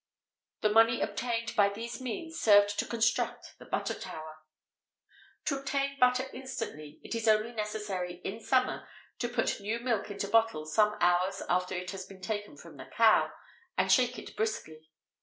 The money obtained by these means served to construct the "Butter Tower."[XVIII 37] To obtain butter instantly it is only necessary, in summer, to put new milk into bottles some hours after it has been taken from the cow, and shake it briskly.